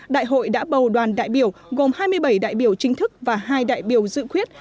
đại hội đã bầu đoàn đại biểu gồm hai mươi bảy đại biểu chính thức và hai đại biểu dự quyết